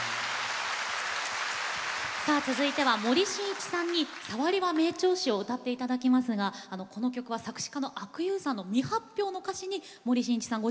さあ続いては森進一さんに「さわりは名調子」を歌って頂きますがこの曲は作詞家の阿久悠さんの未発表の歌詞に森進一さん